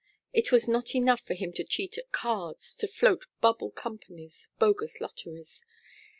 It was not enough for him to cheat at cards, to float bubble companies, bogus lotteries.